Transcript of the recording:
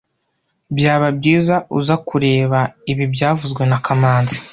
Byaba byiza uza kureba ibi byavuzwe na kamanzi